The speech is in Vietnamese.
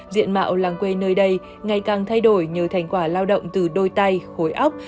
diện mạo làng quê nơi đây ngày càng thay đổi nhờ thành quả lao động từ đôi tay khối óc